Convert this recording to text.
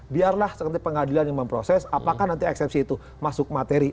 biarlah pengadilan yang memproses apakah nanti eksepsi itu masuk materi